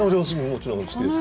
もちろん好きです。